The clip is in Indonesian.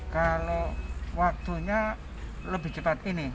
kalau waktunya lebih cepat ini